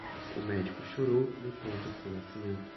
O médico chorou depois do seu nascimento.